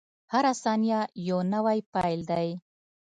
• هره ثانیه یو نوی پیل دی.